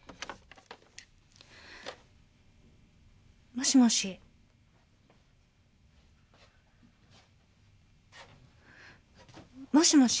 ☎もしもし。もしもし？